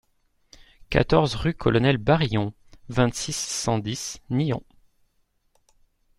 quatorze rue Colonel Barrillon, vingt-six, cent dix, Nyons